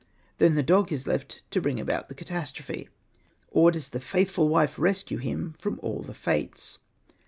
* Then the dog is left to bring about the catastrophe. Or does the faithful wife rescue him from all the fates